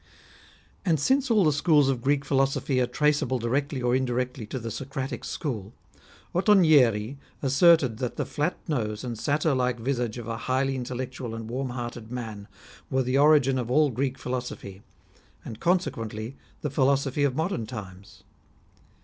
And since all the schools of Greek philosophy are traceable directly or indirectly to the Socratic school, Ottonieri asserted that the flat nose and satyr like visage of a highly intellectual and warm hearted man were the origin of all Greek philosophy, and, conse quently, the philosophy of modern times.